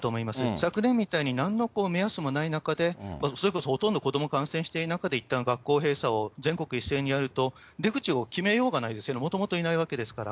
昨年みたいになんの目安もない中で、それこそ、ほとんど子ども感染している中でいったん学校閉鎖を、全国一斉にやると、出口を決めようがないですよね、もともといないわけですから。